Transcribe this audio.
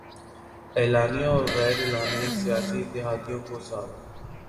اعلانیہ وغیر اعلانیہ سیاسی اتحادیوں کو ساتھ